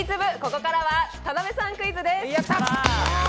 ここからは田辺さんクイズです。